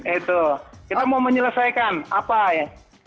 itu kita mau menyelesaikan apa ya